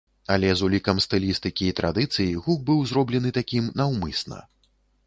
Але, з улікам стылістыкі і традыцый, гук быў зроблены такім наўмысна.